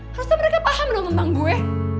rasa mereka paham dong tentang gue